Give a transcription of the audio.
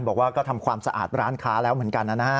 บอกว่าก็ทำความสะอาดร้านค้าแล้วเหมือนกันนะฮะ